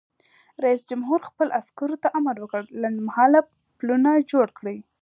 رئیس جمهور خپلو عسکرو ته امر وکړ؛ لنډمهاله پلونه جوړ کړئ!